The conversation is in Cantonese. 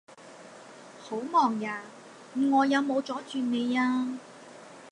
好忙呀？我有冇阻住你呀？